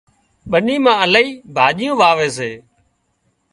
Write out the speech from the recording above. ٻني مان الاهي ڀاڄيون واوي سي